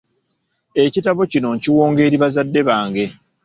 Ekitabo kino nkiwonga eri bazadde bange.